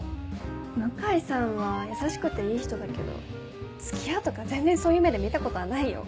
向井さんは優しくていい人だけど付き合うとか全然そういう目で見たことはないよ。